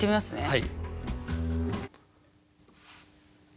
はい。